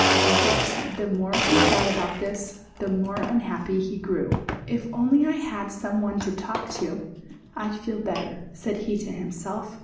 Of course, the more he thought about this, the more unhappy he grew. "If I only had some one to talk to, I'd feel better," said he to himself.